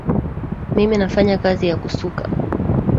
mimi nafanya kazi ya kusuka